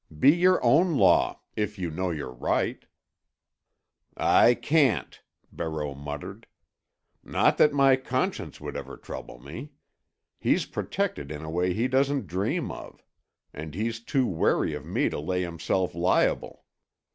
Be your own law—if you know you're right." "I can't." Barreau muttered. "Not that my conscience would ever trouble me. He's protected in a way he doesn't dream of. And he's too wary of me to lay himself liable.